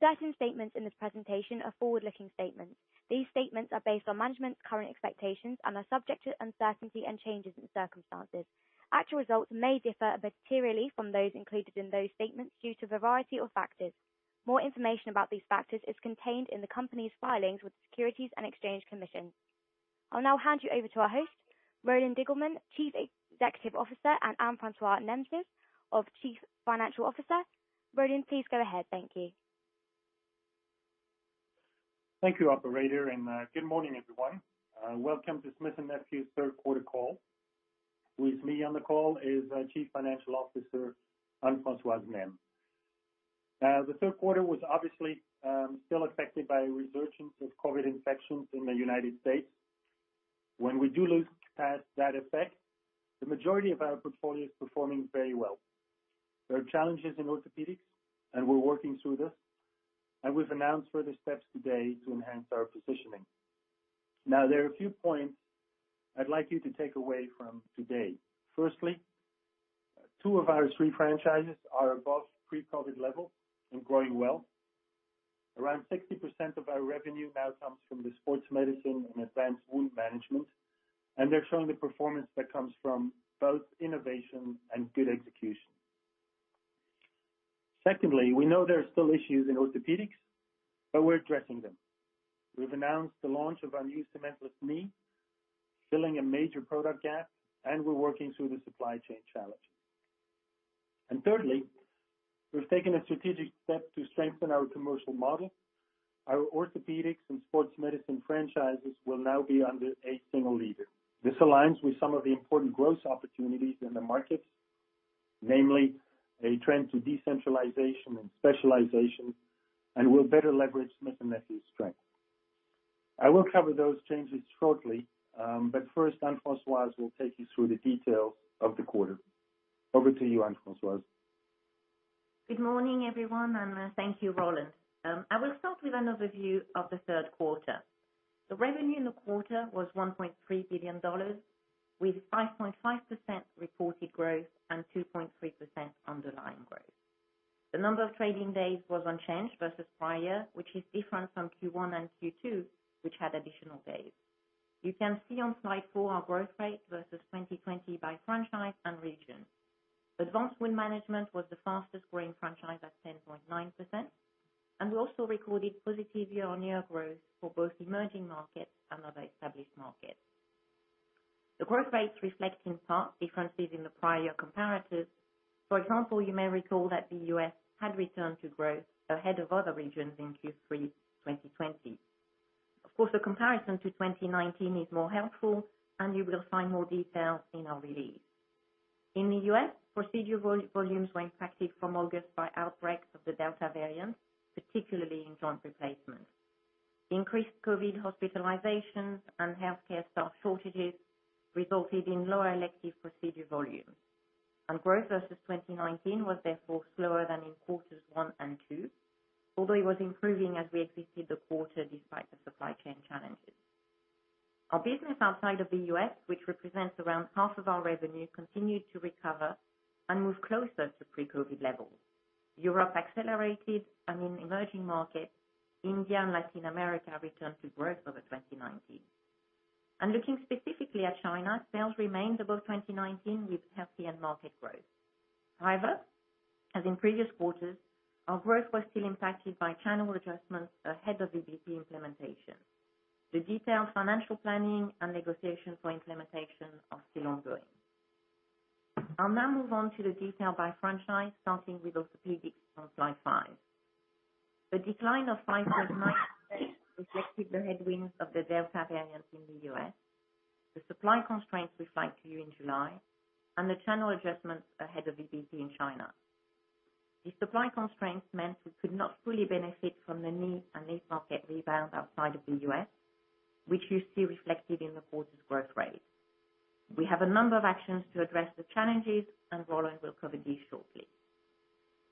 Certain statements in this presentation are forward-looking statements. These statements are based on management's current expectations and are subject to uncertainty and changes in circumstances. Actual results may differ materially from those included in those statements due to a variety of factors. More information about these factors is contained in the company's filings with the Securities and Exchange Commission. I'll now hand you over to our host, Roland Diggelmann, Chief Executive Officer, and Anne-Françoise Nesmes, Chief Financial Officer. Roland, please go ahead. Thank you. Thank you, operator, and good morning, everyone. Welcome to Smith+Nephew's Q3 call. With me on the call is our Chief Financial Officer, Anne-Françoise Nesmes. The Q3 was obviously still affected by a resurgence of COVID infections in the United States. When we do look at that effect, the majority of our portfolio is performing very well. There are challenges in Orthopaedics, and we're working through this, and we've announced further steps today to enhance our positioning. Now there are a few points I'd like you to take away from today. Firstly, two of our three franchises are above pre-COVID levels and growing well. Around 60% of our revenue now comes from the Sports Medicine and Advanced Wound Management, and they're showing the performance that comes from both innovation and good execution. Secondly, we know there are still issues in Orthopaedics, but we're addressing them. We've announced the launch of our new cementless knee, filling a major product gap, and we're working through the supply chain challenge. Thirdly, we've taken a strategic step to strengthen our commercial model. Our Orthopaedics and Sports Medicine franchises will now be under a single leader. This aligns with some of the important growth opportunities in the markets, namely a trend to decentralization and specialization, and will better leverage Smith+Nephew's strength. I will cover those changes shortly, but first Anne-Françoise will take you through the details of the quarter. Over to you, Anne-Françoise. Good morning, everyone, and thank you, Roland. I will start with an overview of the Q3. The revenue in the quarter was $1.3 billion, with 5.5% reported growth and 2.3% underlying growth. The number of trading days was unchanged versus prior, which is different from Q1 and Q2, which had additional days. You can see on slide 4 our growth rate versus 2020 by franchise and region. Advanced Wound Management was the fastest growing franchise at 10.9%, and we also recorded positive year-on-year growth for both emerging markets and other established markets. The growth rates reflect, in part, differences in the prior year comparatives. For example, you may recall that the U.S. had returned to growth ahead of other regions in Q3 2020. Of course, the comparison to 2019 is more helpful, and you will find more details in our release. In the U.S., procedure volumes were impacted from August by outbreaks of the Delta variant, particularly in joint replacements. Increased COVID hospitalizations and healthcare staff shortages resulted in lower elective procedure volumes. Growth versus 2019 was therefore slower than in quarters 1 and 2, although it was improving as we exited the quarter despite the supply chain challenges. Our business outside of the U.S., which represents around half of our revenue, continued to recover and move closer to pre-COVID levels. Europe accelerated and in emerging markets, India and Latin America returned to growth over 2019. Looking specifically at China, sales remained above 2019 with healthy end market growth. However, as in previous quarters, our growth was still impacted by channel adjustments ahead of the VBP implementation. The detailed financial planning and negotiations for implementation are still ongoing. I'll now move on to the detail by franchise, starting with Orthopedics on slide 5. The decline of 5.9% reflected the headwinds of the Delta variant in the U.S., the supply constraints we flagged to you in July, and the channel adjustments ahead of VBP in China. The supply constraints meant we could not fully benefit from the knee and hip market rebound outside of the U.S., which you see reflected in the quarter's growth rate. We have a number of actions to address the challenges, and Roland will cover these shortly.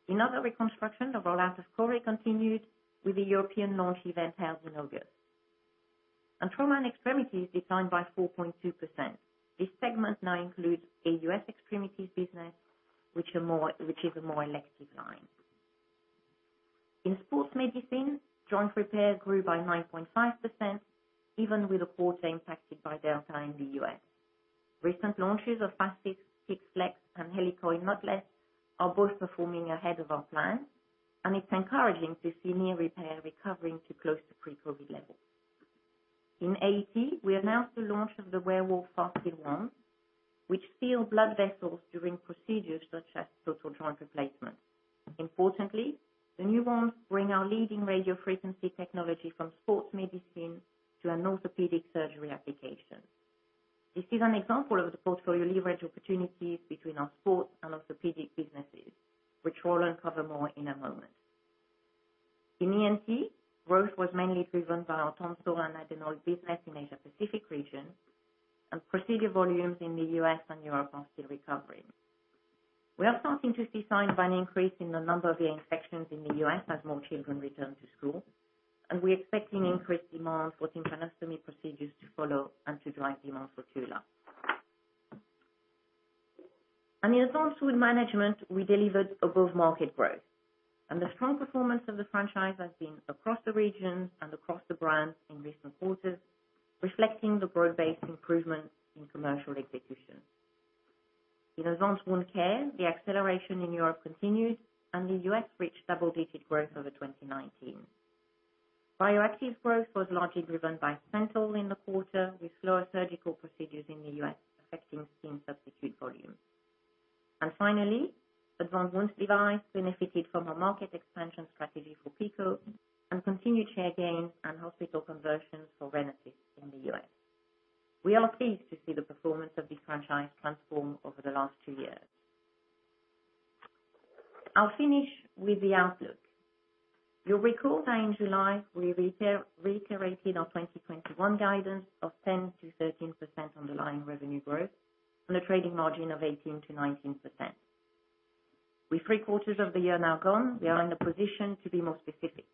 In other reconstruction, the rollout of CORI continued with the European launch event held in August. Trauma & Extremities declined by 4.2%. This segment now includes a U.S. extremities business, which is a more elective line. In sports medicine, joint repair grew by 9.5%, even with the quarter impacted by Delta in the U.S. Recent launches of FAST-FIX, FAST-FIX FLEX, and HEALICOIL KNOTLESS are both performing ahead of our plan, and it's encouraging to see knee repair recovering to close to pre-COVID levels. In AET, we announced the launch of the WEREWOLF FASTSEAL Wand, which seal blood vessels during procedures such as total joint replacements. Importantly, the new wands bring our leading radiofrequency technology from sports medicine to an orthopedic surgery application. This is an example of the portfolio leverage opportunities between our sports and orthopedic businesses, which Roland cover more in a moment. In ENT, growth was mainly driven by our Tonsil and Adenoid business in Asia Pacific region, and procedure volumes in the U.S. and Europe are still recovering. We are starting to see signs of an increase in the number of ear infections in the U.S. as more children return to school, and we expect an increased demand for tympanostomy procedures to follow and to drive demand for Tula. In Advanced Wound Management, we delivered above-market growth. The strong performance of the franchise has been across the regions and across the brands in recent quarters, reflecting the broad-based improvement in commercial execution. In Advanced Wound Care, the acceleration in Europe continued, and the U.S. reached double-digit growth over 2019. Bioactive growth was largely driven by SANTYL in the quarter, with slower surgical procedures in the U.S. affecting skin substitute volume. Finally, Advanced Wound Devices benefited from a market expansion strategy for PICO and continued share gains and hospital conversions for RENASYS in the U.S. We are pleased to see the performance of this franchise transform over the last two years. I'll finish with the outlook. You'll recall that in July we reiterated our 2021 guidance of 10%-13% underlying revenue growth on a trading margin of 18%-19%. With three quarters of the year now gone, we are in a position to be more specific.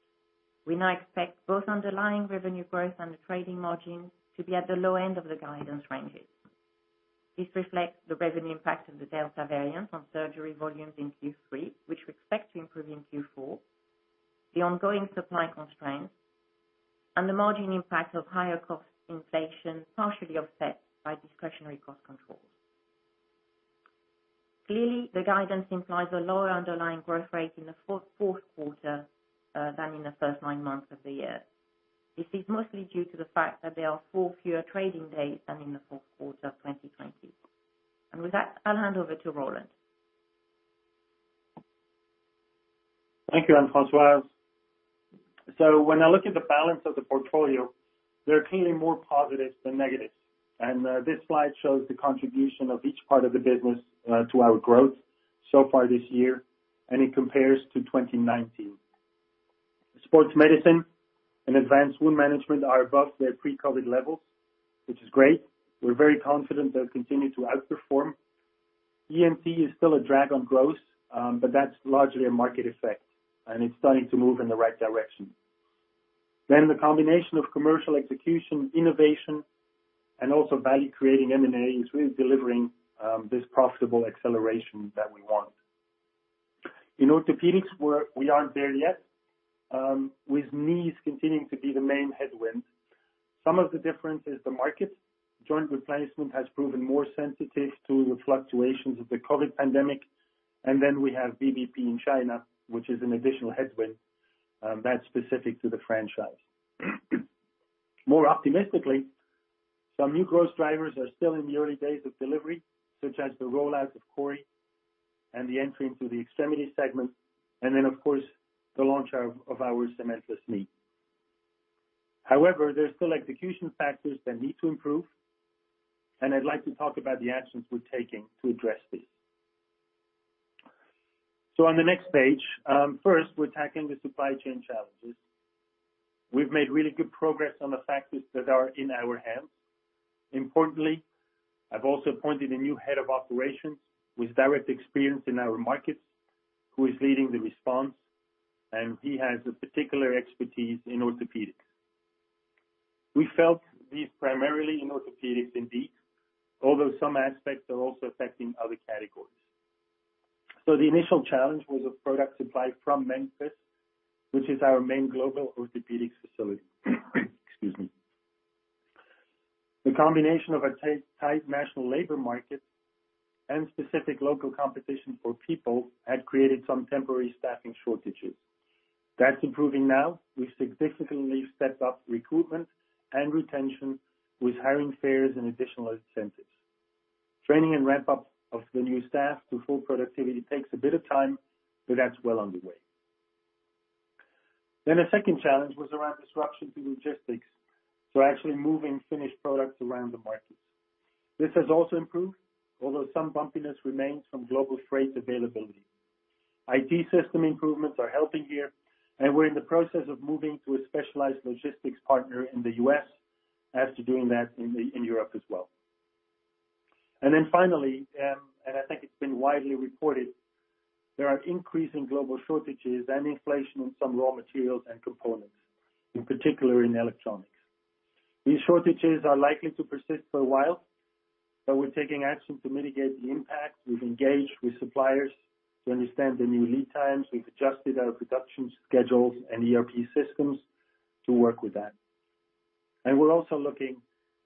We now expect both underlying revenue growth and the trading margin to be at the low end of the guidance ranges. This reflects the revenue impact of the Delta variant on surgery volumes in Q3, which we expect to improve in Q4, the ongoing supply constraints, and the margin impact of higher cost inflation partially offset by discretionary cost controls. Clearly, the guidance implies a lower underlying growth rate in the Q4 than in the first nine months of the year. This is mostly due to the fact that there are four fewer trading days than in the Q4 of 2020. With that, I'll hand over to Roland. Thank you, Anne-Françoise. When I look at the balance of the portfolio, there are clearly more positives than negatives. This slide shows the contribution of each part of the business to our growth so far this year, and it compares to 2019. Sports Medicine and Advanced Wound Management are above their pre-COVID levels, which is great. We're very confident they'll continue to outperform. ENT is still a drag on growth, but that's largely a market effect, and it's starting to move in the right direction. The combination of commercial execution, innovation, and also value-creating M&A is really delivering this profitable acceleration that we want. In Orthopaedics, we aren't there yet with knees continuing to be the main headwind. Some of the difference is the market. Joint replacement has proven more sensitive to the fluctuations of the COVID pandemic. We have VBP in China, which is an additional headwind, that's specific to the franchise. More optimistically, some new growth drivers are still in the early days of delivery, such as the rollout of CORI and the entry into the Extremity segment, and then, of course, the launch of our cementless knee. However, there are still execution factors that need to improve, and I'd like to talk about the actions we're taking to address this. On the next page, first, we're tackling the supply chain challenges. We've made really good progress on the factors that are in our hands. Importantly, I've also appointed a new head of operations with direct experience in our markets, who is leading the response, and he has a particular expertise in Orthopaedics. We felt these primarily in Orthopaedics indeed, although some aspects are also affecting other categories. The initial challenge was a product supply from Memphis, which is our main global Orthopaedics facility. Excuse me. The combination of a tight national labor market and specific local competition for people had created some temporary staffing shortages. That's improving now. We've significantly stepped up recruitment and retention with hiring fairs and additional incentives. Training and ramp-up of the new staff to full productivity takes a bit of time, but that's well underway. A second challenge was around disruption to logistics, so actually moving finished products around the markets. This has also improved, although some bumpiness remains from global freight availability. IT system improvements are helping here, and we're in the process of moving to a specialized logistics partner in the U.S. as well as doing that in Europe as well. I think it's been widely reported, there are increasing global shortages and inflation on some raw materials and components, in particular in electronics. These shortages are likely to persist for a while, but we're taking action to mitigate the impact. We've engaged with suppliers to understand the new lead times. We've adjusted our production schedules and ERP systems to work with that. We're also looking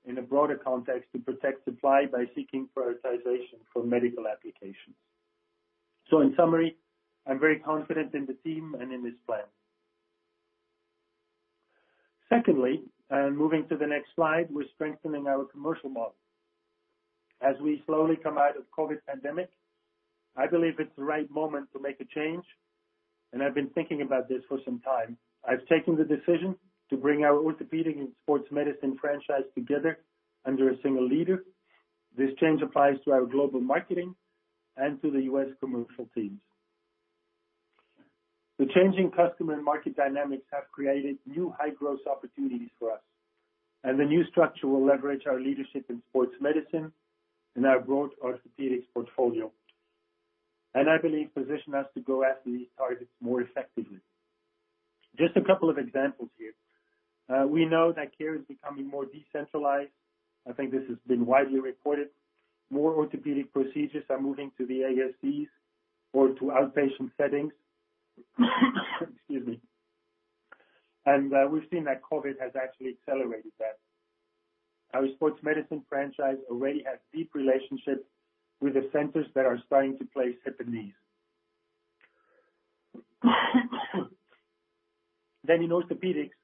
in a broader context to protect supply by seeking prioritization for medical applications. In summary, I'm very confident in the team and in this plan. Secondly, and moving to the next slide, we're strengthening our commercial model. As we slowly come out of COVID pandemic, I believe it's the right moment to make a change, and I've been thinking about this for some time. I've taken the decision to bring our Orthopaedics and Sports Medicine franchise together under a single leader. This change applies to our global marketing and to the U.S. commercial teams. The changing customer and market dynamics have created new high-growth opportunities for us, and the new structure will leverage our leadership in Sports Medicine and our broad Orthopaedics portfolio, and I believe position us to go after these targets more effectively. Just a couple of examples here. We know that care is becoming more decentralized. I think this has been widely reported. More Orthopaedics procedures are moving to the ASCs or to outpatient settings. We've seen that COVID has actually accelerated that. Our Sports Medicine franchise already has deep relationships with the centers that are starting to place hip and knees. In Orthopaedics,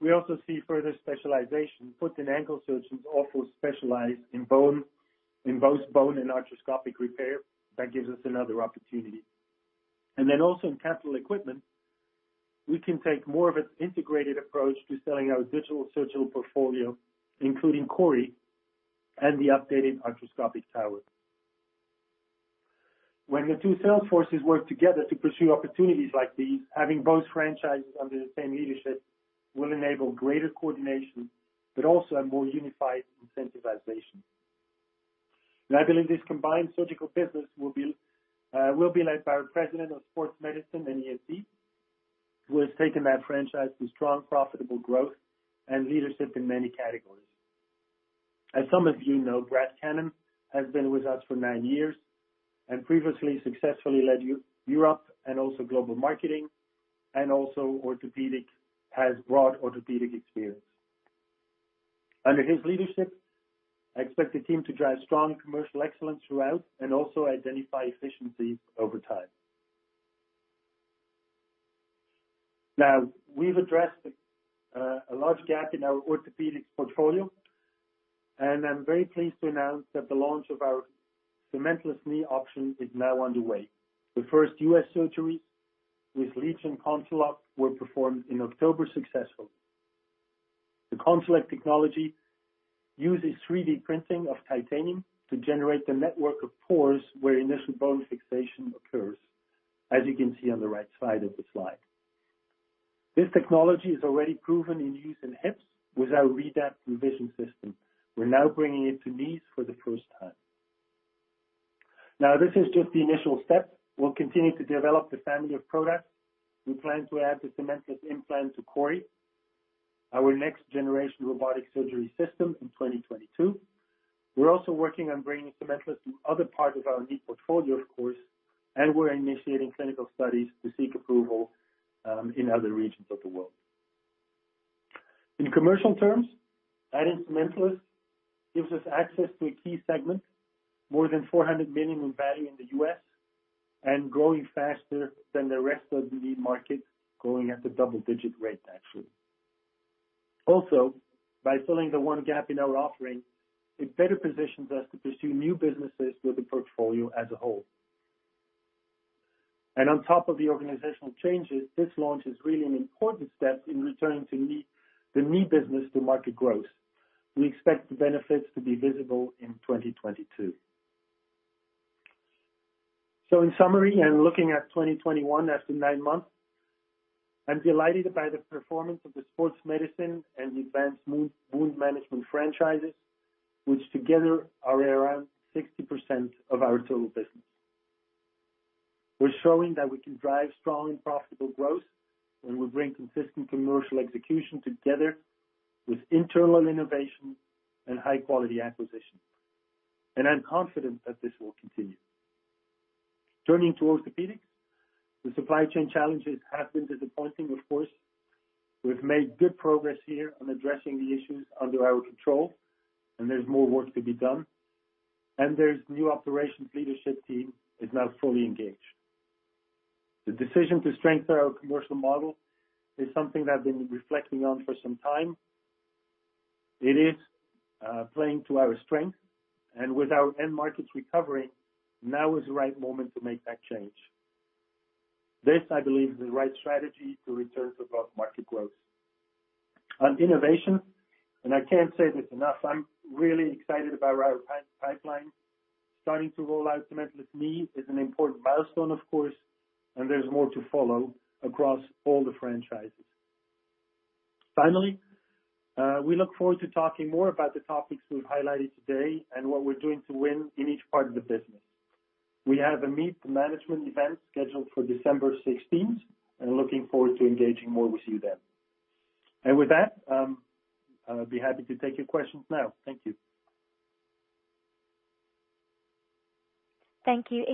we also see further specialization. Foot and ankle surgeons also specialize in bone, in both bone and arthroscopic repair. That gives us another opportunity. Then also in capital equipment, we can take more of an integrated approach to selling our digital surgical portfolio, including CORI and the updated arthroscopic tower. When the two sales forces work together to pursue opportunities like these, having both franchises under the same leadership will enable greater coordination, but also a more unified incentivization. I believe this combined surgical business will be led by our President of Sports Medicine and ASC, who has taken that franchise to strong profitable growth and leadership in many categories. As some of you know, Brad Cannon has been with us for nine years and previously successfully led U.S.-Europe and also global marketing, and also, orthopedics, has broad orthopedic experience. Under his leadership, I expect the team to drive strong commercial excellence throughout and also identify efficiencies over time. We've addressed a large gap in our Orthopaedics portfolio, and I'm very pleased to announce that the launch of our cementless knee option is now underway. The first U.S. surgery with LEGION and CONCELOC was performed in October successfully. The CONCELOC technology uses 3D printing of titanium to generate the network of pores where initial bone fixation occurs, as you can see on the right side of the slide. This technology is already proven in use in hips with our REDAPT Revision System. We're now bringing it to knees for the first time. This is just the initial step. We'll continue to develop the family of products. We plan to add the cementless implant to CORI, our next generation robotic surgery system in 2022. We're also working on bringing cementless to other parts of our knee portfolio, of course, and we're initiating clinical studies to seek approval in other regions of the world. In commercial terms, adding cementless gives us access to a key segment, more than $400 million in value in the U.S., and growing faster than the rest of the knee market, growing at a double-digit rate, actually. Also, by filling the one gap in our offering, it better positions us to pursue new businesses with the portfolio as a whole. On top of the organizational changes, this launch is really an important step in returning to knee, the knee business to market growth. We expect the benefits to be visible in 2022. In summary, looking at 2021 after 9 months, I'm delighted by the performance of the Sports Medicine and Advanced Wound Management franchises, which together are around 60% of our total business. We're showing that we can drive strong and profitable growth, and we bring consistent commercial execution together with internal innovation and high-quality acquisition. I'm confident that this will continue. Turning to Orthopaedics, the supply chain challenges have been disappointing, of course. We've made good progress here on addressing the issues under our control, and there's more work to be done. The new operations leadership team is now fully engaged. The decision to strengthen our commercial model is something I've been reflecting on for some time. It is playing to our strength. With our end markets recovering, now is the right moment to make that change. This, I believe, is the right strategy to return to broad market growth. On innovation, and I can't say this enough, I'm really excited about our pipeline. Starting to roll out cementless knee is an important milestone, of course, and there's more to follow across all the franchises. Finally, we look forward to talking more about the topics we've highlighted today and what we're doing to win in each part of the business. We have a meet the management event scheduled for December sixteenth, and looking forward to engaging more with you then. With that, I'll be happy to take your questions now. Thank you. Thank you.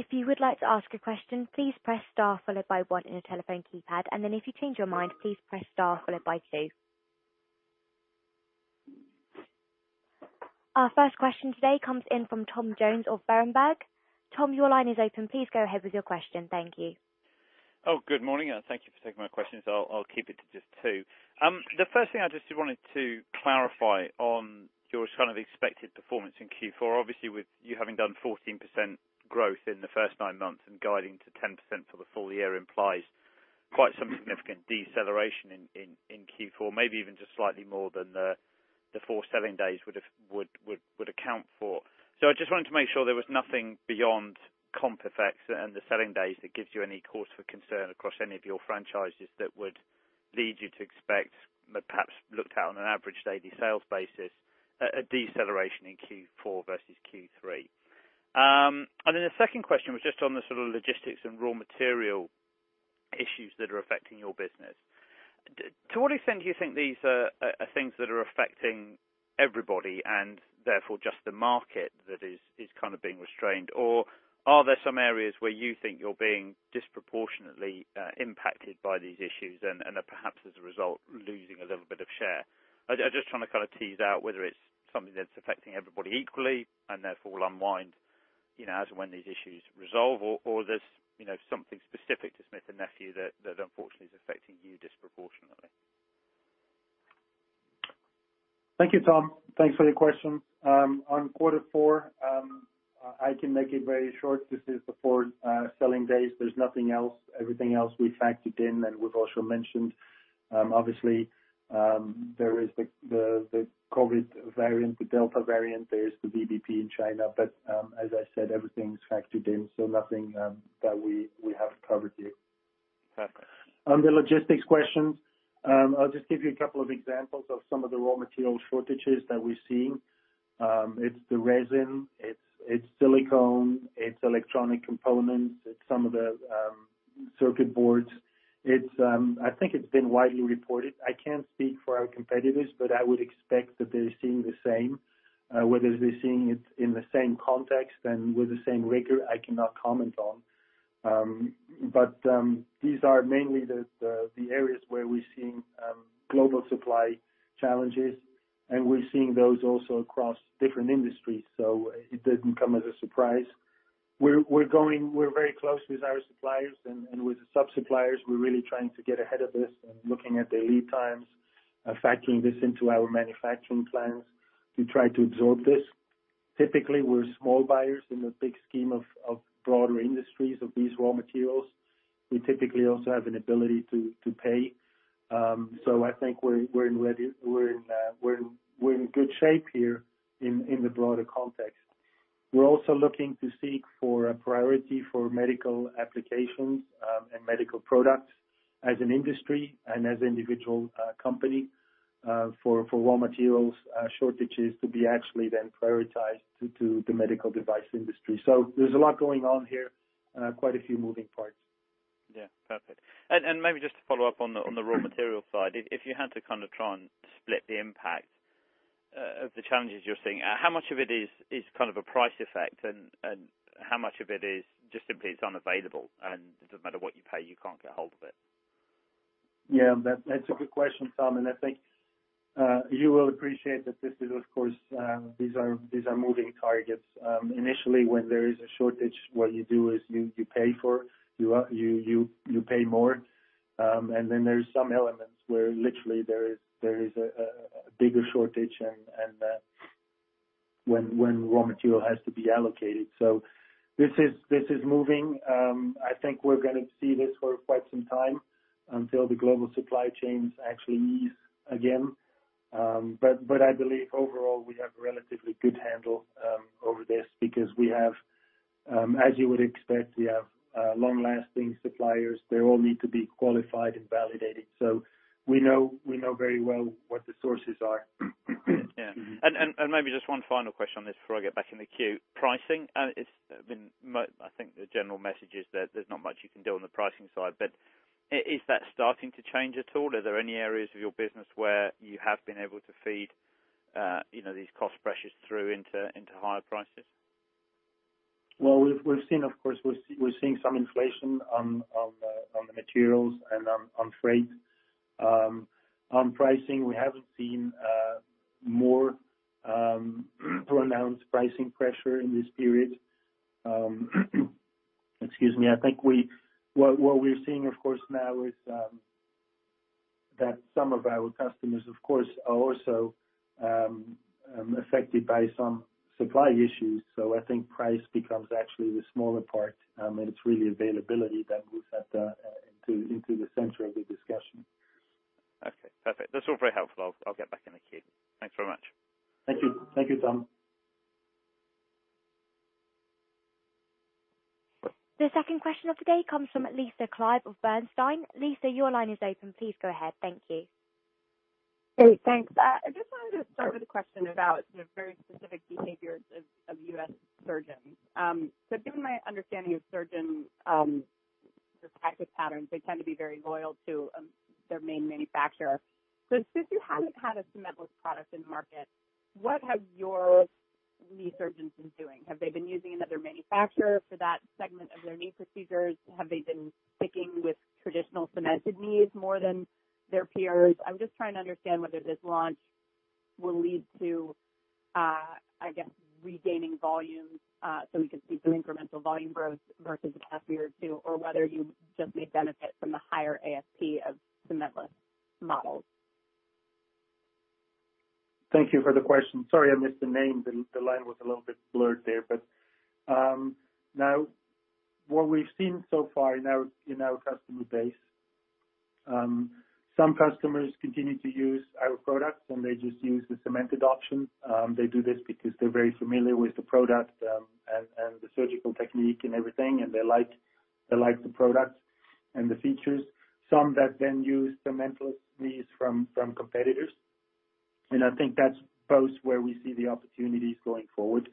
Our first question today comes in from Tom Jones of Berenberg. Tom, your line is open. Please go ahead with your question. Thank you. Oh, good morning, and thank you for taking my questions. I'll keep it to just two. The first thing I just wanted to clarify on your kind of expected performance in Q4. Obviously, with you having done 14% growth in the first nine months and guiding to 10% for the full year implies quite some significant deceleration in Q4, maybe even just slightly more than the four selling days would account for. I just wanted to make sure there was nothing beyond comp effects and the selling days that gives you any cause for concern across any of your franchises that would lead you to expect, but perhaps looked at on an average daily sales basis, a deceleration in Q4 versus Q3. The second question was just on the sort of logistics and raw material issues that are affecting your business. To what extent do you think these are things that are affecting everybody and therefore just the market that is kind of being restrained? Or are there some areas where you think you're being disproportionately impacted by these issues and are perhaps as a result, losing a little bit of share? I just wanna kind of tease out whether it's something that's affecting everybody equally and therefore unwind, you know, as and when these issues resolve or there's, you know, something specific to Smith+Nephew that unfortunately is affecting you disproportionately. Thank you, Tom. Thanks for your question. On quarter four, I can make it very short. This is the 4 selling days. There's nothing else. Everything else we factored in and we've also mentioned, obviously, there is the COVID variant, the Delta variant, there is the VBP in China. As I said, everything's factored in, so nothing that we have covered here. Perfect. On the logistics question, I'll just give you a couple of examples of some of the raw material shortages that we're seeing. It's the resin, it's silicone, it's electronic components, it's some of the circuit boards. It's been widely reported. I can't speak for our competitors, but I would expect that they're seeing the same. Whether they're seeing it in the same context and with the same rigor, I cannot comment on. These are mainly the areas where we're seeing global supply challenges, and we're seeing those also across different industries, so it didn't come as a surprise. We're very close with our suppliers and with the sub-suppliers. We're really trying to get ahead of this and looking at the lead times, and factoring this into our manufacturing plans to try to absorb this. Typically, we're small buyers in the big scheme of broader industries of these raw materials. We typically also have an ability to pay. I think we're already in good shape here in the broader context. We're also looking to seek for a priority for medical applications and medical products as an industry and as individual company for raw materials shortages to be actually then prioritized to the medical device industry. There's a lot going on here. Quite a few moving parts. Yeah. Perfect. Maybe just to follow up on the raw material side. If you had to kind of try and split the impact of the challenges you're seeing, how much of it is kind of a price effect and how much of it is just simply it's unavailable, and it doesn't matter what you pay, you can't get a hold of it? Yeah. That's a good question, Tom, and I think you will appreciate that this is of course these are moving targets. Initially when there is a shortage, what you do is you pay more. Then there's some elements where literally there is a bigger shortage and when raw material has to be allocated. This is moving. I think we're gonna see this for quite some time until the global supply chains actually ease again. I believe overall, we have relatively good handle over this because we have, as you would expect, long-lasting suppliers. They all need to be qualified and validated. We know very well what the sources are. Yeah. Mm-hmm. Maybe just one final question on this before I get back in the queue. Pricing, it's been. I think the general message is that there's not much you can do on the pricing side, but is that starting to change at all? Are there any areas of your business where you have been able to feed you know, these cost pressures through into higher prices? Well, we've seen, of course, we're seeing some inflation on the materials and on freight. Excuse me. On pricing, we haven't seen more pronounced pricing pressure in this period. What we're seeing, of course, now is that some of our customers, of course, are also affected by some supply issues. I think price becomes actually the smaller part, and it's really availability that moves into the center of the discussion. Okay. Perfect. That's all very helpful. I'll get back in the queue. Thanks very much. Thank you. Thank you, Tom. The second question of the day comes from Lisa Clive of Bernstein. Lisa, your line is open. Please go ahead. Thank you. Hey, thanks. I just wanted to start with a question about the very specific behaviors of U.S. surgeons. Given my understanding of surgeons, their practice patterns, they tend to be very loyal to their main manufacturer. Since you haven't had a cementless product in market, what have your knee surgeons been doing? Have they been using another manufacturer for that segment of their knee procedures? Have they been sticking with traditional cemented knees more than their peers? I'm just trying to understand whether this launch will lead to, I guess, regaining volumes, so we can see some incremental volume growth versus the past year or two, or whether you just may benefit from the higher ASP of cementless models. Thank you for the question. Sorry, I missed the name. The line was a little bit blurred there. Now what we've seen so far in our customer base, some customers continue to use our products, and they just use the cemented option. They do this because they're very familiar with the product, and the surgical technique and everything, and they like the product and the features. Some that then use cementless knees from competitors. I think that's both where we see the opportunities going forward.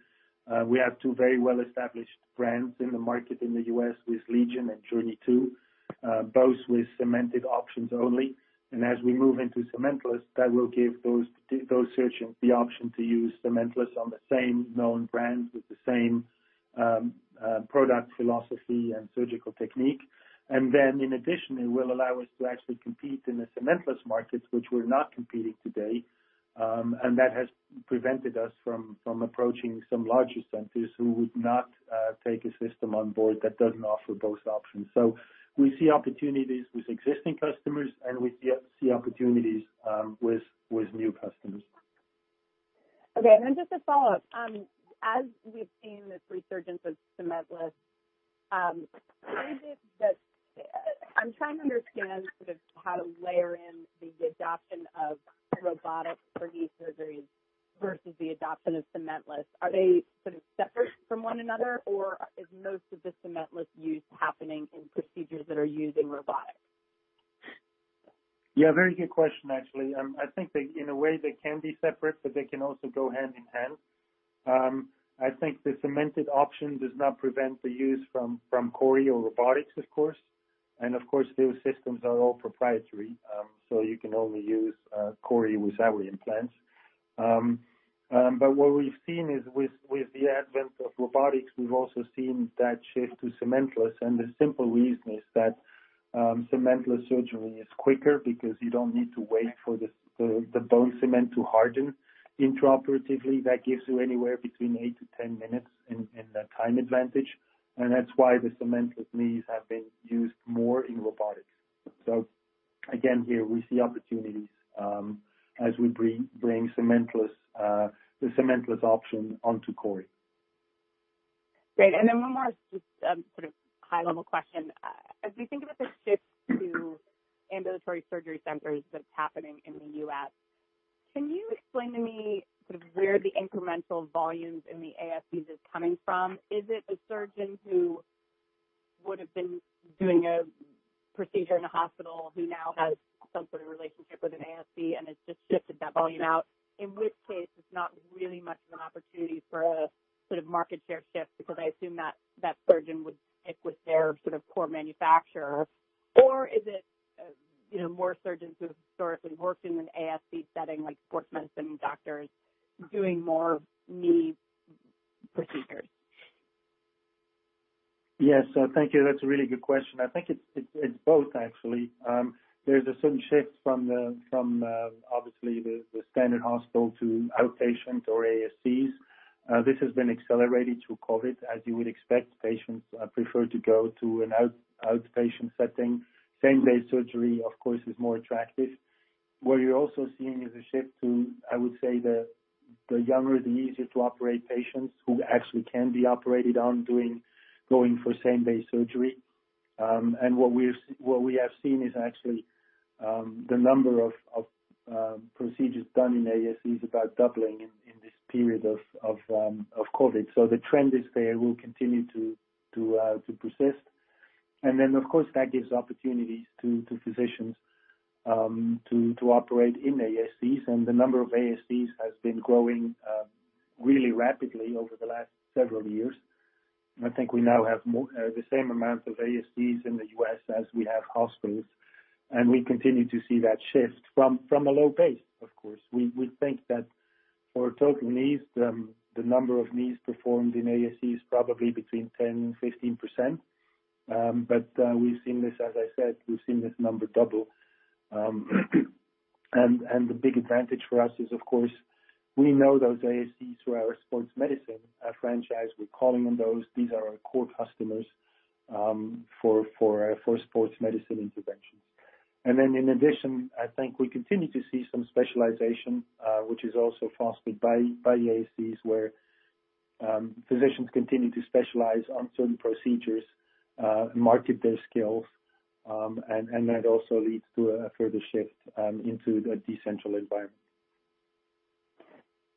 We have two very well-established brands in the market in the U.S. with LEGION and JOURNEY II, both with cemented options only. As we move into cementless, that will give those surgeons the option to use cementless on the same known brands with the same product philosophy and surgical technique. Then in addition, it will allow us to actually compete in the cementless markets, which we're not competing today, and that has prevented us from approaching some larger centers who would not take a system on board that doesn't offer both options. We see opportunities with existing customers, and we see opportunities with new customers. Okay. Just a follow-up. As we've seen this resurgence of cementless, I'm trying to understand sort of how to layer in the adoption of robotic knee surgeries versus the adoption of cementless. Are they sort of separate from one another, or is most of the cementless use happening in procedures that are using robotics? Yeah, very good question actually. I think they in a way can be separate, but they can also go hand in hand. I think the cemented option does not prevent the use from CORI or robotics, of course. Of course, those systems are all proprietary, so you can only use CORI with our implants. What we've seen is with the advent of robotics, we've also seen that shift to cementless. The simple reason is that cementless surgery is quicker because you don't need to wait for the bone cement to harden intraoperatively. That gives you anywhere between 8-10 minutes in the time advantage. That's why the cementless knees have been used more in robotics. Again, here we see opportunities as we bring the cementless option onto CORI. Great. One more just, sort of high-level question. As we think about the shift to ambulatory surgery centers that's happening in the U.S., can you explain to me sort of where the incremental volumes in the ASCs is coming from? Is it a surgeon who would've been doing a procedure in a hospital who now has some sort of relationship with an ASC and has just shifted that volume out? In which case it's not really much of an opportunity for a sort of market share shift because I assume that that surgeon would stick with their sort of core manufacturer. Or is it, you know, more surgeons who have historically worked in an ASC setting like sports medicine doctors doing more knee procedures? Yes. Thank you. That's a really good question. I think it's both actually. There's a certain shift from obviously the standard hospital to outpatient or ASCs. This has been accelerated through COVID. As you would expect, patients prefer to go to an outpatient setting. Same-day surgery, of course, is more attractive. What you're also seeing is a shift to, I would say, the younger, the easier to operate patients who actually can be operated on going for same-day surgery. What we have seen is actually the number of procedures done in ASCs about doubling in this period of COVID. The trend is there will continue to persist. Of course that gives opportunities to physicians to operate in ASCs. The number of ASCs has been growing really rapidly over the last several years. I think we now have the same amount of ASCs in the U.S. as we have hospitals, and we continue to see that shift from a low base of course. We think that for total knees, the number of knees performed in ASCs probably between 10%-15%. We've seen this, as I said, we've seen this number double. The big advantage for us is of course, we know those ASCs through our Sports Medicine franchise. We're calling on those. These are our core customers for Sports Medicine interventions. In addition, I think we continue to see some specialization, which is also fostered by ASCs, where physicians continue to specialize on certain procedures, market their skills, and that also leads to a further shift into a decentralized environment.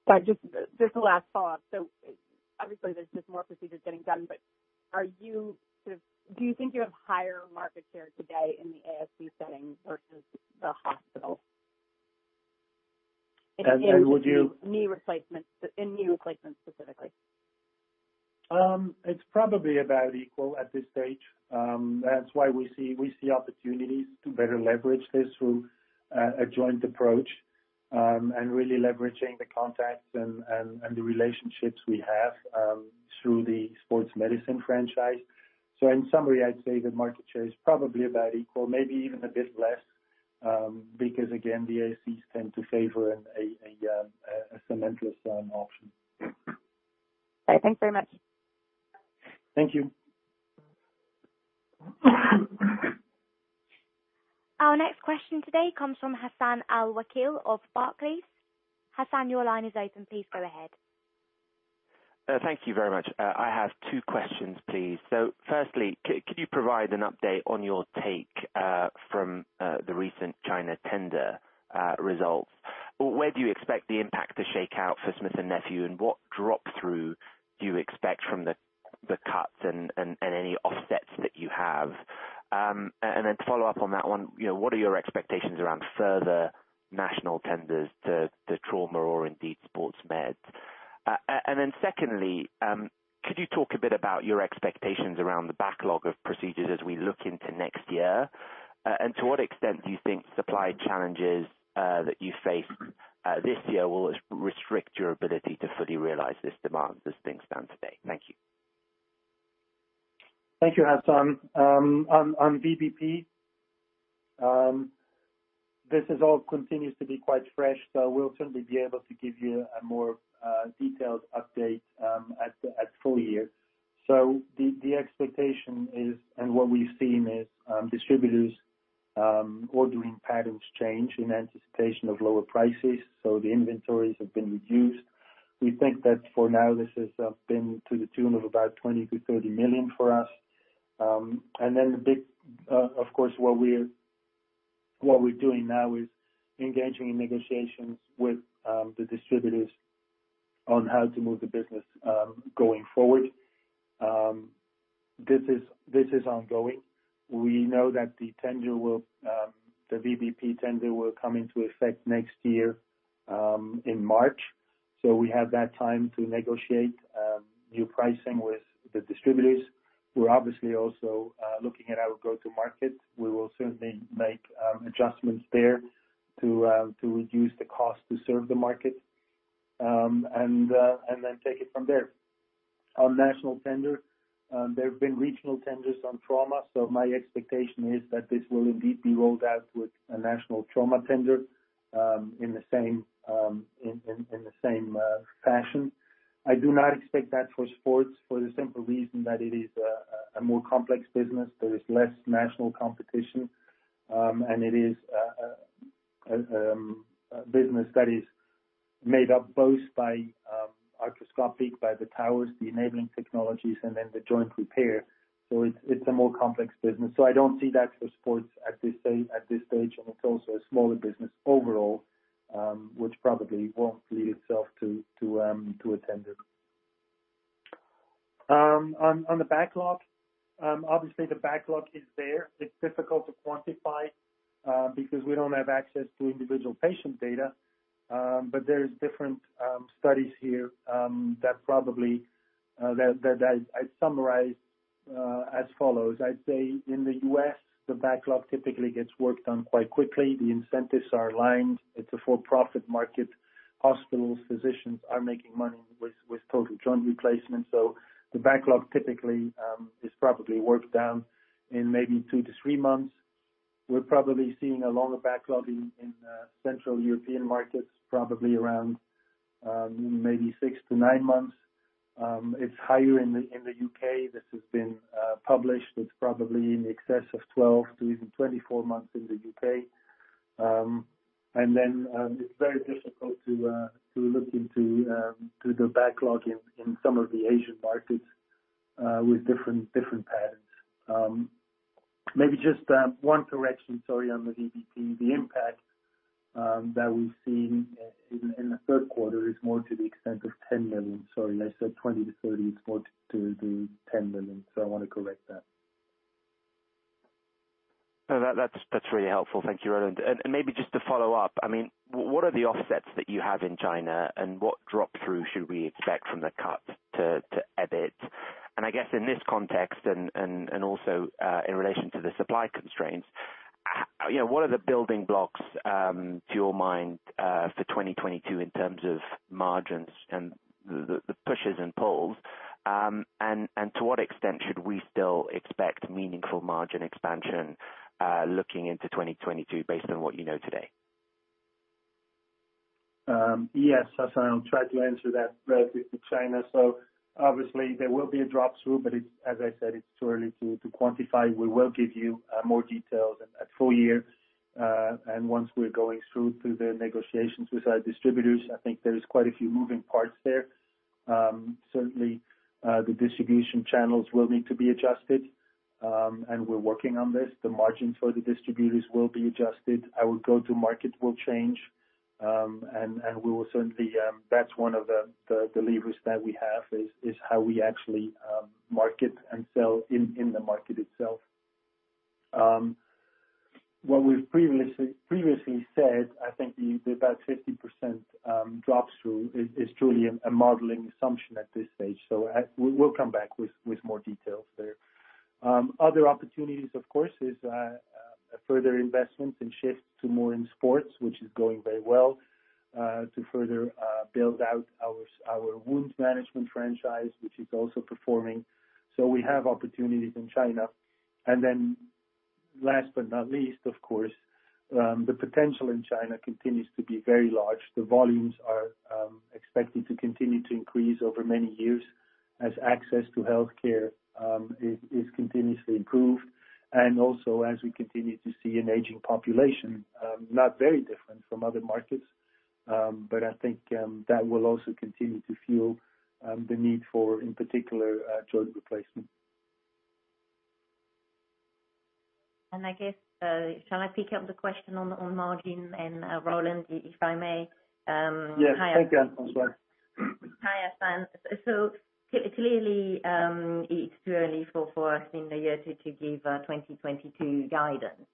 Right. Just a last follow-up. Obviously there's just more procedures getting done, but do you think you have higher market share today in the ASC setting versus the hospital? Would you- In knee replacements specifically. It's probably about equal at this stage. That's why we see opportunities to better leverage this through a joint approach, and really leveraging the contacts and the relationships we have through the Sports Medicine franchise. In summary, I'd say the market share is probably about equal, maybe even a bit less, because again, the ASCs tend to favor a cementless option. Right. Thanks very much. Thank you. Our next question today comes from Hassan Al-Wakeel of Barclays. Hassan, your line is open. Please go ahead. Thank you very much. I have two questions please. Firstly, could you provide an update on your take from the recent China tender results? Where do you expect the impact to shake out for Smith+Nephew, and what drop through do you expect from the cuts and any offsets that you have. To follow up on that one, you know, what are your expectations around further national tenders to trauma or indeed sports meds? Secondly, could you talk a bit about your expectations around the backlog of procedures as we look into next year? To what extent do you think supply challenges that you face this year will restrict your ability to fully realize this demand as things stand today? Thank you. Thank you, Hassan. On VBP, this all continues to be quite fresh, so we'll certainly be able to give you a more detailed update at full year. The expectation is, and what we've seen is, distributors ordering patterns change in anticipation of lower prices, so the inventories have been reduced. We think that for now this has been to the tune of about $20 million-$30 million for us. Of course, what we're doing now is engaging in negotiations with the distributors on how to move the business going forward. This is ongoing. We know that the VBP tender will come into effect next year in March. We have that time to negotiate new pricing with the distributors. We're obviously also looking at our go-to-market. We will certainly make adjustments there to reduce the cost to serve the market, and then take it from there. On national tender, there have been regional tenders on trauma, so my expectation is that this will indeed be rolled out with a national trauma tender, in the same fashion. I do not expect that for sports for the simple reason that it is a more complex business. There is less national competition, and it is a business that is made up both by arthroscopic, by the towers, the enabling technologies, and then the joint repair. It's a more complex business. I don't see that for sports at this stage, and it's also a smaller business overall, which probably won't lead itself to a tender. On the backlog, obviously the backlog is there. It's difficult to quantify, because we don't have access to individual patient data. But there's different studies here that I summarize as follows. I'd say in the U.S., the backlog typically gets worked on quite quickly. The incentives are aligned. It's a for-profit market. Hospitals, physicians are making money with total joint replacements. The backlog typically is probably worked down in maybe two to three months. We're probably seeing a longer backlog in central European markets, probably around maybe six to nine months. It's higher in the U.K. This has been published. It's probably in excess of 12 to even 24 months in the U.K. It's very difficult to look into the backlog in some of the Asian markets with different patterns. Maybe just one correction, sorry, on the VBP. The impact that we've seen in the Q3 is more to the extent of $10 million. Sorry, I said 20-30, it's more to the $10 million, so I want to correct that. No, that's really helpful. Thank you, Roland. Maybe just to follow up, I mean, what are the offsets that you have in China, and what drop-through should we expect from the cut to EBIT? I guess in this context, also, in relation to the supply constraints, you know, what are the building blocks to your mind for 2022 in terms of margins and the pushes and pulls? To what extent should we still expect meaningful margin expansion looking into 2022 based on what you know today? Yes, Hassan, I'll try to answer that relative to China. Obviously there will be a drop-through, but it's, as I said, too early to quantify. We will give you more details at full year. Once we're going through to the negotiations with our distributors, I think there is quite a few moving parts there. Certainly, the distribution channels will need to be adjusted. We're working on this. The margins for the distributors will be adjusted. Our go-to-market will change. We will certainly, that's one of the levers that we have is how we actually market and sell in the market itself. What we've previously said, I think about 50% drop-through is truly a modeling assumption at this stage. At we'll come back with more details there. Other opportunities of course is further investments and shift to more in sports, which is going very well, to further build out our wound management franchise, which is also performing. We have opportunities in China. Last but not least, of course, the potential in China continues to be very large. The volumes are expected to continue to increase over many years as access to healthcare is continuously improved, and also as we continue to see an aging population not very different from other markets. I think that will also continue to fuel the need for, in particular, joint replacement. I guess, shall I pick up the question on margin and, Roland, if I may Yes. Thank you, Françoise. Hi, Hassan. Clearly, it's too early for us in the year to give 2022 guidance.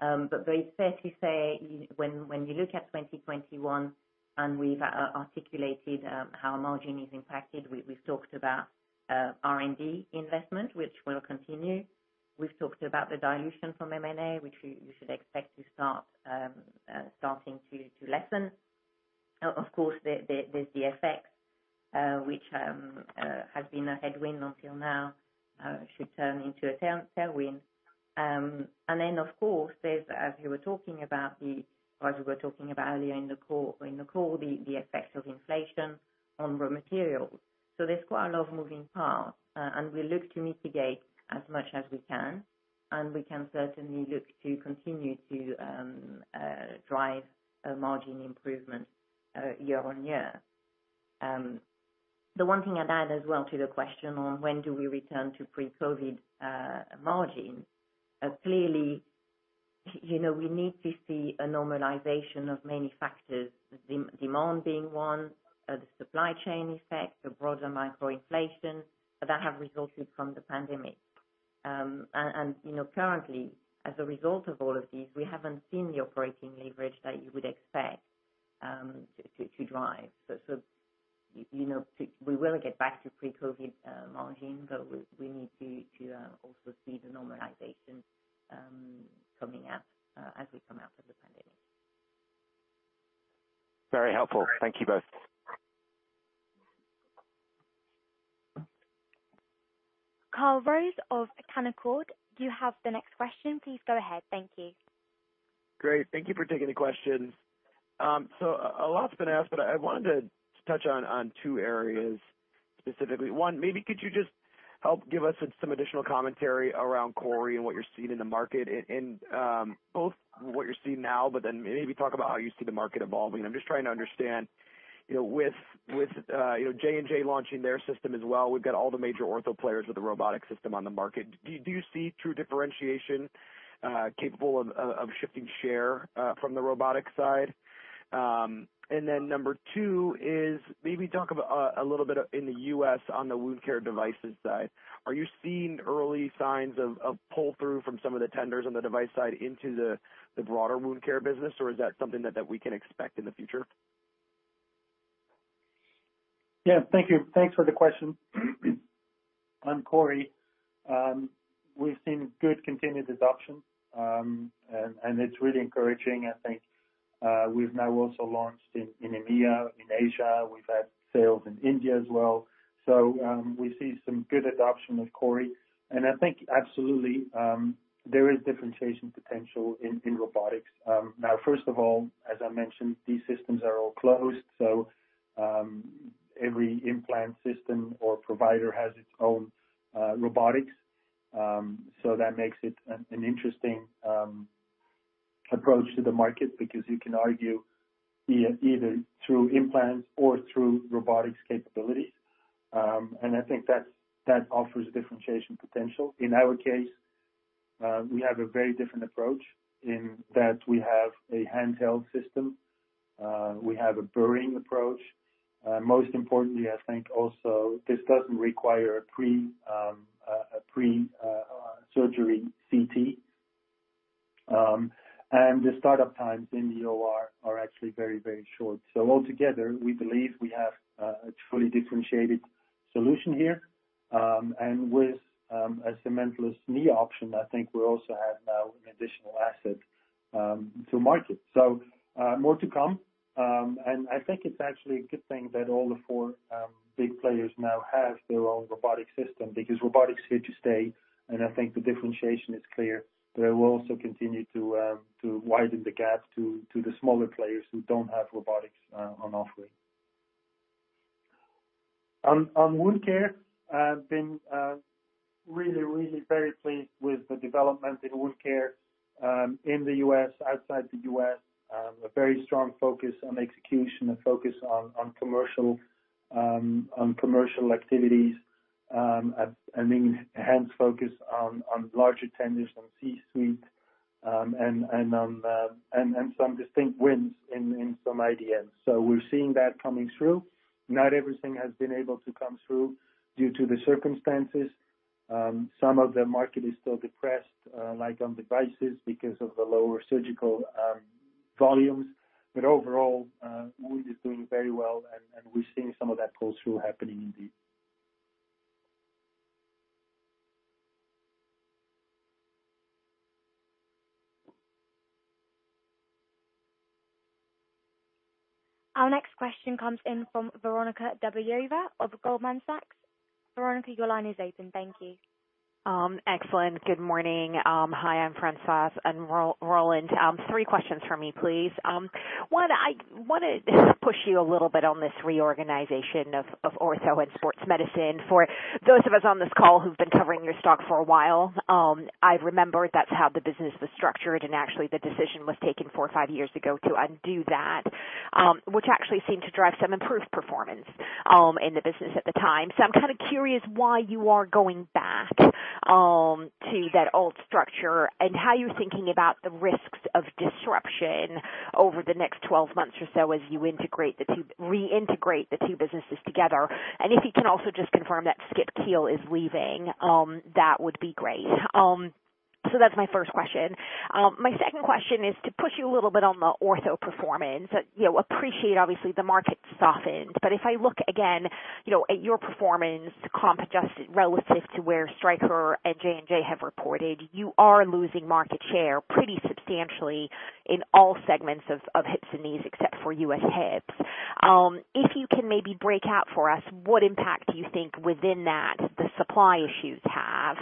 Very fair to say when you look at 2021 and we've articulated how our margin is impacted. We've talked about R&D investment, which will continue. We've talked about the dilution from M&A, which you should expect to start to lessen. Of course, there's the FX, which has been a headwind until now, should turn into a tailwind. Then of course, there's, as you were talking about earlier in the call, the effects of inflation on raw materials. There's quite a lot of moving parts, and we look to mitigate as much as we can, and we can certainly look to continue to drive a margin improvement year on year. The one thing I'd add as well to the question on when do we return to pre-COVID margin. Clearly, you know, we need to see a normalization of many factors, demand being one, the supply chain effect, the broader macro inflation that have resulted from the pandemic. And you know, currently, as a result of all of these, we haven't seen the operating leverage that you would expect to drive. You know, to we will get back to pre-COVID margin, but we need to also see the normalization coming out as we come out of the pandemic. Very helpful. Thank you both. Kyle Rose of Canaccord, you have the next question. Please go ahead. Thank you. Great. Thank you for taking the questions. So a lot's been asked, but I wanted to touch on two areas specifically. One, maybe could you just help give us some additional commentary around CORI and what you're seeing in the market and both what you're seeing now, but then maybe talk about how you see the market evolving. I'm just trying to understand, you know, with you know, J&J launching their system as well, we've got all the major ortho players with a robotic system on the market. Do you see true differentiation capable of shifting share from the robotic side? And then number two is maybe talk about a little bit in the U.S. on the wound care devices side. Are you seeing early signs of pull-through from some of the tenders on the device side into the broader wound care business, or is that something that we can expect in the future? Yeah. Thank you. Thanks for the question. On CORI, we've seen good continued adoption, and it's really encouraging. I think we've now also launched in EMEA, in Asia. We've had sales in India as well. We see some good adoption of CORI, and I think absolutely there is differentiation potential in robotics. Now, first of all, as I mentioned, these systems are all closed. Every implant system or provider has its own robotics. That makes it an interesting approach to the market because you can argue either through implants or through robotics capabilities. I think that offers a differentiation potential. In our case, we have a very different approach in that we have a handheld system. We have a burring approach. Most importantly, I think also this doesn't require a pre-surgery CT. The startup times in the OR are actually very, very short. Altogether, we believe we have a truly differentiated solution here. With a cementless knee option, I think we also have now an additional asset to market. More to come. I think it's actually a good thing that all the four big players now have their own robotic system because robotics is here to stay, and I think the differentiation is clear, but it will also continue to widen the gap to the smaller players who don't have robotics on offering. On wound care, I've been really very pleased with the development in wound care in the U.S., outside the U.S. A very strong focus on execution, a focus on commercial activities, an enhanced focus on larger tenders on C-suite, and some distinct wins in some IDNs. We're seeing that coming through. Not everything has been able to come through due to the circumstances. Some of the market is still depressed, like on devices because of the lower surgical volumes. Overall, wound is doing very well, and we're seeing some of that pull-through happening indeed. Our next question comes in from Veronika Dubajova of Goldman Sachs. Veronika, your line is open. Thank you. Excellent. Good morning. Hi, I'm Françoise and Roland. Three questions from me, please. One, I wanna push you a little bit on this reorganization of ortho and sports medicine. For those of us on this call who've been covering your stock for a while, I remember that's how the business was structured, and actually the decision was taken four or five years ago to undo that, which actually seemed to drive some improved performance in the business at the time. I'm kind of curious why you are going back. To that old structure and how you're thinking about the risks of disruption over the next 12 months or so as you reintegrate the two businesses together. If you can also just confirm that Skip Kiil is leaving, that would be great. That's my first question. My second question is to push you a little bit on the ortho performance. You know, I appreciate obviously the market softened. If I look again, you know, at your performance comp adjusted relative to where Stryker and J&J have reported, you are losing market share pretty substantially in all segments of hips and knees except for U.S. hips. If you can maybe break out for us, what impact do you think within that the supply issues have,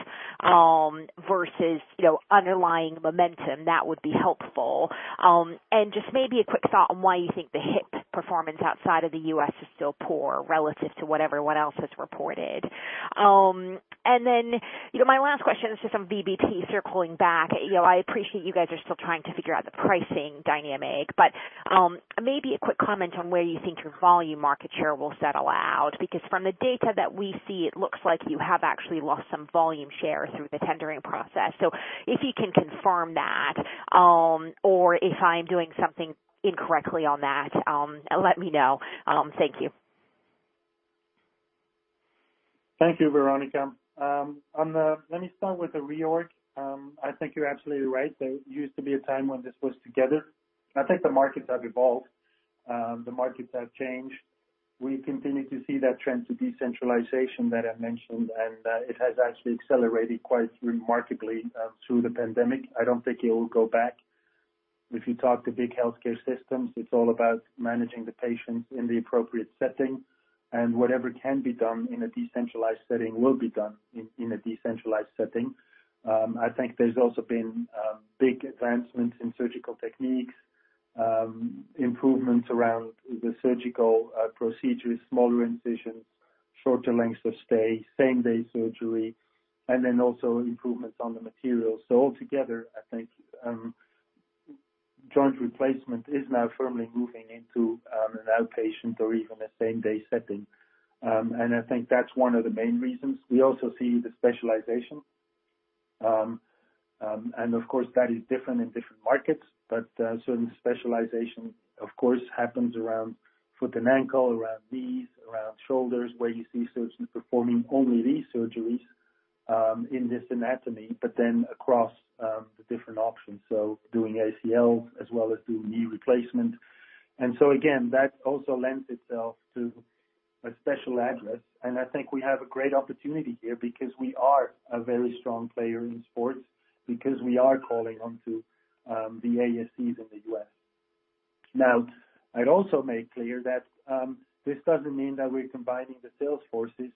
versus, you know, underlying momentum, that would be helpful. Just maybe a quick thought on why you think the hip performance outside of the U.S. is still poor relative to what everyone else has reported. You know, my last question is just on VBP circling back. You know, I appreciate you guys are still trying to figure out the pricing dynamic, but maybe a quick comment on where you think your volume market share will settle out. Because from the data that we see, it looks like you have actually lost some volume share through the tendering process. If you can confirm that, or if I'm doing something incorrectly on that, let me know. Thank you. Thank you, Veronika. Let me start with the reorg. I think you're absolutely right. There used to be a time when this was together. I think the markets have evolved. The markets have changed. We continue to see that trend to decentralization that I mentioned, and it has actually accelerated quite remarkably through the pandemic. I don't think it will go back. If you talk to big healthcare systems, it's all about managing the patients in the appropriate setting, and whatever can be done in a decentralized setting will be done in a decentralized setting. I think there's also been big advancements in surgical techniques, improvements around the surgical procedures, smaller incisions, shorter lengths of stay, same-day surgery, and then also improvements on the materials. Altogether, I think, joint replacement is now firmly moving into an outpatient or even a same-day setting. I think that's one of the main reasons. We also see the specialization. Of course that is different in different markets. Certain specialization, of course, happens around foot and ankle, around knees, around shoulders, where you see surgeons performing only these surgeries in this anatomy, but then across the different options, so doing ACL as well as doing knee replacement. Again, that also lends itself to a special address. I think we have a great opportunity here because we are a very strong player in sports, because we are calling onto the ASCs in the U.S. Now, I'd also make clear that this doesn't mean that we're combining the sales forces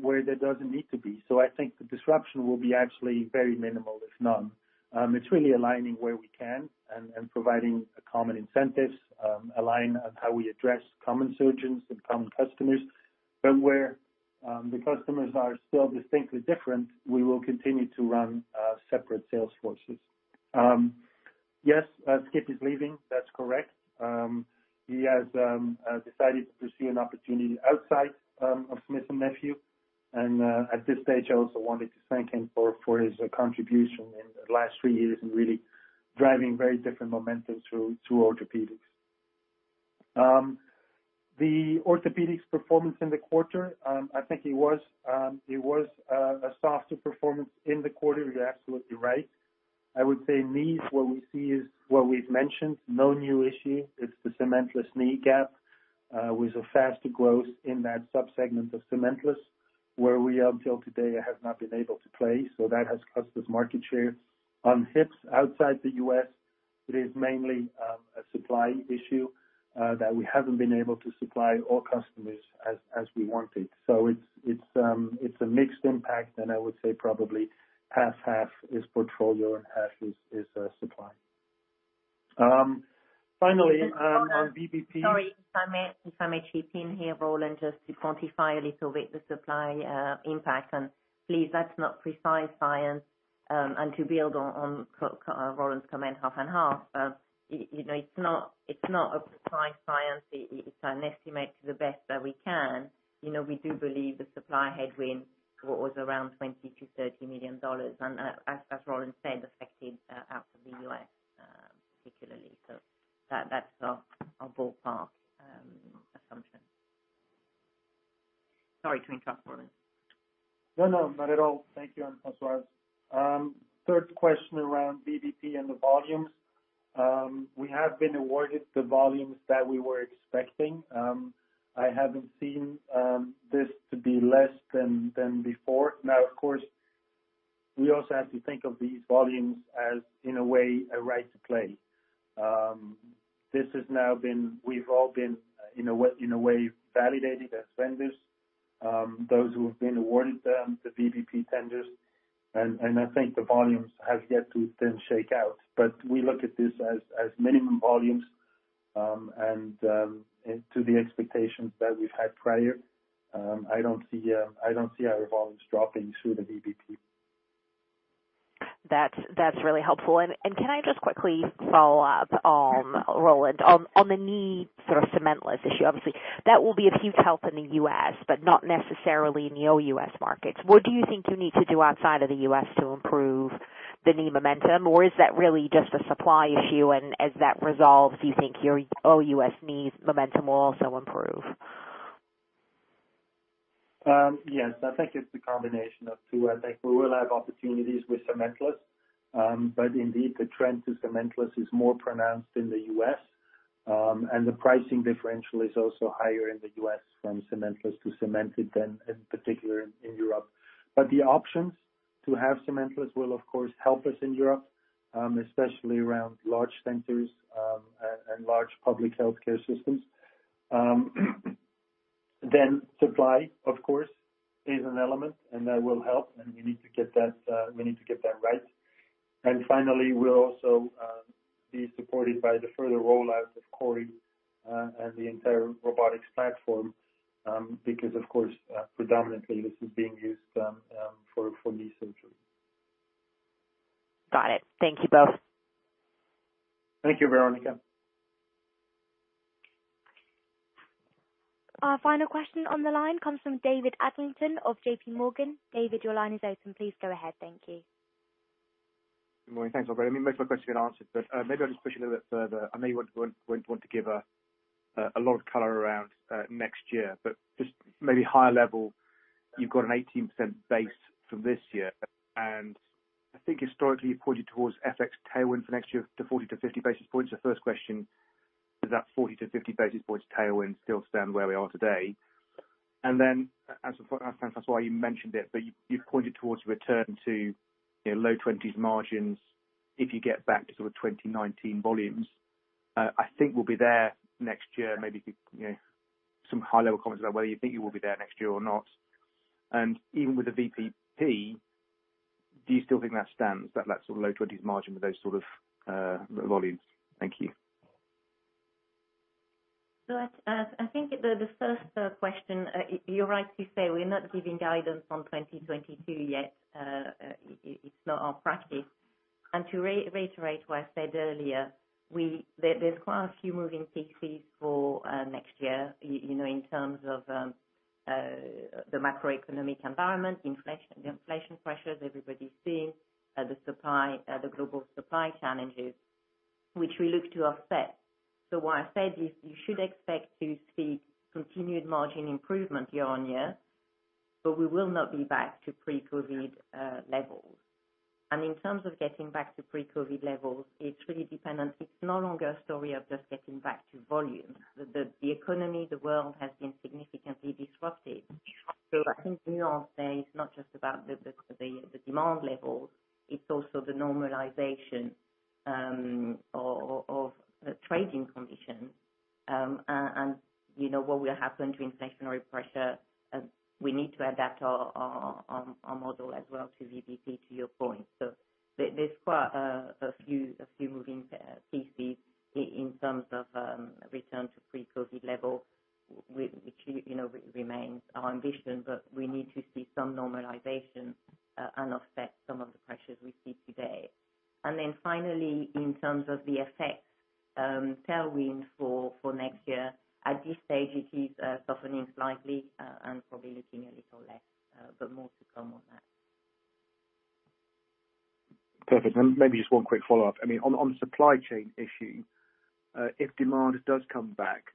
where there doesn't need to be. I think the disruption will be actually very minimal, if none. It's really aligning where we can and providing common incentives, align on how we address common surgeons and common customers. Where the customers are still distinctly different, we will continue to run separate sales forces. Yes, Skip is leaving. That's correct. He has decided to pursue an opportunity outside of Smith+Nephew. At this stage, I also wanted to thank him for his contribution in the last three years in really driving very different momentum through Orthopedics. The Orthopedics performance in the quarter, I think it was a softer performance in the quarter. You're absolutely right. I would say knees, what we see is what we've mentioned, no new issue. It's the cementless knee gap, with a faster growth in that subsegment of cementless, where we until today have not been able to play. That has cost us market share. On hips outside the U.S., it is mainly a supply issue that we haven't been able to supply all customers as we wanted. It's a mixed impact, and I would say probably half and half is portfolio and half is supply. Finally, on VBP- Sorry, it's Anne-Françoise Nesmes here, Roland, just to quantify a little bit the supply impact. Please, that's not precise science. To build on Roland's comment half and half. You know, it's not a precise science. It's an estimate to the best that we can. You know, we do believe the supply headwind was around $20 million-$30 million, and as Roland said, affected out of the U.S., particularly. That's our ballpark assumption. Sorry to interrupt, Roland. No, no, not at all. Thank you. Françoise, third question around VBP and the volumes. We have been awarded the volumes that we were expecting. I haven't seen this to be less than before. Now, of course, we also have to think of these volumes as, in a way, a right to play. We've all been, in a way, validated as vendors, those who have been awarded the VBP tenders. I think the volumes have yet to then shake out. We look at this as minimum volumes, and to the expectations that we've had prior. I don't see our volumes dropping through the VBP. That's really helpful. Can I just quickly follow up, Roland, on the knee sort of cementless issue? Obviously, that will be a huge help in the U.S., but not necessarily in the OUS markets. What do you think you need to do outside of the U.S. to improve the knee momentum? Or is that really just a supply issue? As that resolves, do you think your OUS knees momentum will also improve? Yes, I think it's a combination of two. I think we will have opportunities with cementless. But indeed, the trend to cementless is more pronounced in the U.S. And the pricing differential is also higher in the U.S. from cementless to cemented than, in particular, in Europe. But the options to have cementless will of course help us in Europe, especially around large centers, and large public healthcare systems. Supply, of course, is an element, and that will help, and we need to get that right. Finally, we'll also be supported by the further rollout of CORI, and the entire robotics platform, because, of course, predominantly this is being used for knee surgery. Got it. Thank you both. Thank you, Veronika. Our final question on the line comes from David Adlington of J.P. Morgan. David, your line is open. Please go ahead. Thank you. Good morning. Thanks, operator. I mean, most of my questions have been answered, but maybe I'll just push a little bit further. I know you won't want to give a lot of color around next year, but just maybe higher level, you've got an 18% base from this year. I think historically you pointed towards FX tailwind for next year to 40 to 50 basis points. The first question, does that 40-50 basis points tailwind still stand where we are today? Then as far as why you mentioned it, but you've pointed towards a return to, you know, low-20s margins if you get back to sort of 2019 volumes. I think we'll be there next year, maybe if you know, some high-level comments about whether you think you will be there next year or not. Even with the VBP, do you still think that stands at that sort of low 20s margin with those sort of volumes? Thank you. I think the first question, you're right to say we're not giving guidance on 2022 yet. It's not our practice. To reiterate what I said earlier, there's quite a few moving pieces for next year, you know, in terms of the macroeconomic environment, inflation, the inflation pressures everybody's seeing, the supply, the global supply challenges, which we look to offset. What I said is you should expect to see continued margin improvement year on year, but we will not be back to pre-COVID levels. In terms of getting back to pre-COVID levels, it's really dependent. It's no longer a story of just getting back to volume. The economy, the world has been significantly disrupted. I think we all say it's not just about the demand levels, it's also the normalization of the trading conditions. You know what will happen to inflationary pressure. We need to adapt our model as well to VBP, to your point. There's quite a few moving pieces in terms of return to pre-COVID level which you know remains our ambition. We need to see some normalization and offset some of the pressures we see today. Finally, in terms of the FX tailwind for next year, at this stage, it is softening slightly and probably looking a little less, but more to come on that. Perfect. Maybe just one quick follow-up. I mean, on supply chain issue, if demand does come back,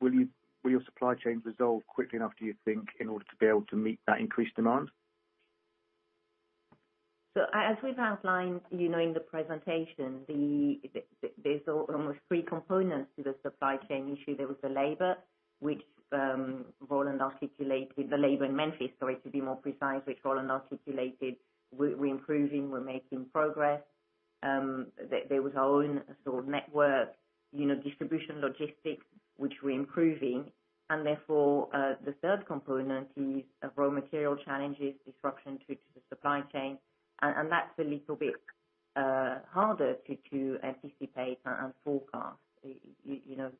will your supply chain resolve quickly enough, do you think, in order to be able to meet that increased demand? As we've outlined, you know, in the presentation, there's almost three components to the supply chain issue. There was the labor, which Roland articulated, the labor in Memphis, sorry, to be more precise, which Roland articulated. We're improving. We're making progress. There was our own sort of network, you know, distribution logistics, which we're improving. Therefore, the third component is raw material challenges, disruptions to the supply chain. That's a little bit harder to anticipate and forecast. You know,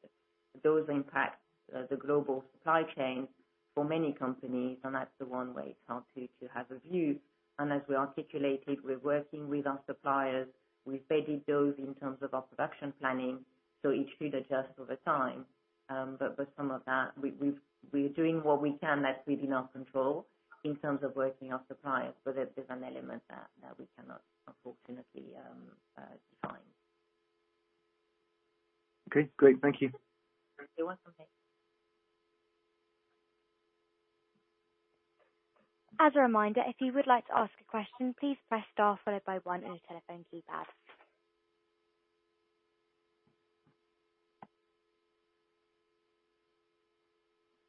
those impact the global supply chain for many companies, and that's the one where it's hard to have a view. As we articulated, we're working with our suppliers. We've vetted those in terms of our production planning, so it should adjust over time. With some of that, we're doing what we can that's within our control in terms of working our suppliers. There's an element that we cannot unfortunately define. Okay, great. Thank you. Thank you once again. As a reminder, if you would like to ask a question, please press star followed by one on your telephone keypad.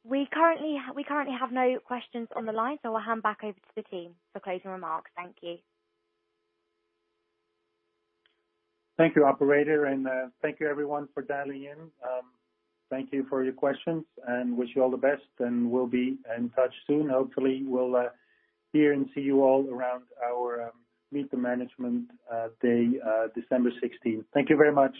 We currently have no questions on the line, so I'll hand back over to the team for closing remarks. Thank you. Thank you, operator, and thank you everyone for dialing in. Thank you for your questions and wish you all the best, and we'll be in touch soon. Hopefully, we'll hear and see you all around our meet the management day December sixteenth. Thank you very much.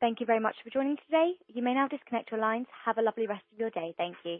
Thank you very much for joining today. You may now disconnect your lines. Have a lovely rest of your day. Thank you.